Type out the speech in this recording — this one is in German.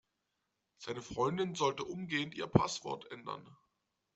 Seine Freundin sollte umgehend ihr Passwort ändern.